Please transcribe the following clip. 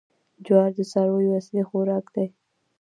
جوار د څارویو اصلي خوراک دی.